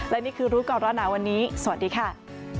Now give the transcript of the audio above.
และนี่คือรูปกรณาวันนี้สวัสดีค่ะ